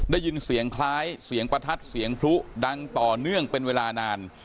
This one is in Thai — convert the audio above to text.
ได้ยินเสียงคล้ายเสียงประทัดเสียงพลุดังต่อเนื่องเป็นเวลานาน